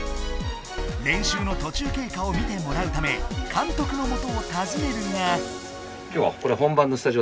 練習の途中経過を見てもらうため監督のもとをたずねるが。